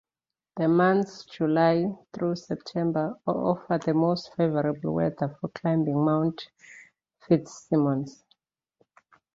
The months July through September offer the most favorable weather for climbing Mount Fitzsimmons.